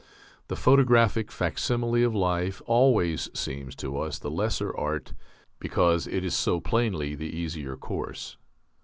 The photographic facsimile of life always seems to us the lesser art, because it is so plainly the easier course.